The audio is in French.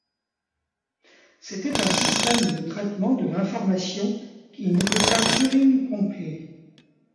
C'était un système de traitement de l'information qui n'était pas Turing-complet.